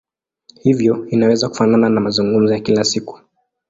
Hivyo inaweza kufanana na mazungumzo ya kila siku.